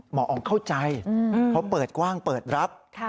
หมออ๋องเข้าใจเขาเปิดกว้างเปิดรับ